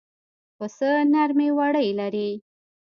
پسه نرمې وړۍ لري.